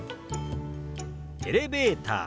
「エレベーター」。